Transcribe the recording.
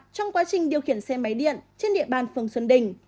trong quá trình điều khiển xe máy điện trên địa bàn phường xuân đình